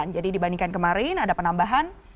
jadi dibandingkan kemarin ada penambahan